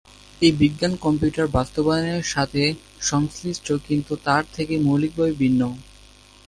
এই বিজ্ঞান কম্পিউটার বাস্তবায়নের সাথে সংশ্লিষ্ট কিন্তু তার থেকে মৌলিকভাবে ভিন্ন।